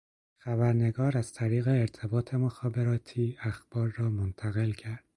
خبرنگار از طریق ارتباط مخابراتی اخبار را منتقل کرد